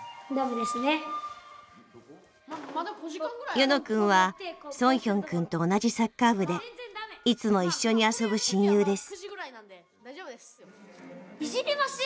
ユノくんはソンヒョンくんと同じサッカー部でいつも一緒に遊ぶ親友です。